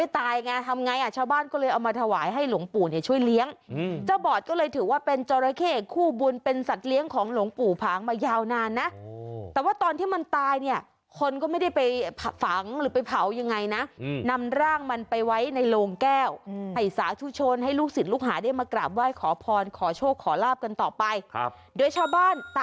ทำไมถึงบอดไปดูกันหน่อยค่ะ